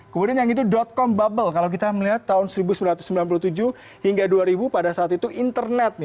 kemudian yang itu com bubble kalau kita melihat tahun seribu sembilan ratus sembilan puluh tujuh hingga dua ribu pada saat itu internet nih